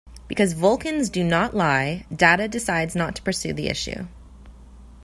Because Vulcans do not lie, Data decides not to pursue the issue.